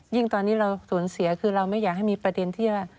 ตอนนี้เราสูญเสียคือเราไม่อยากให้มีประเด็นที่ว่า